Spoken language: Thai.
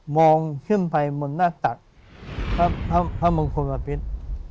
มองขึ้นไปมนตรกพระมงคลบัตรฤทธิ์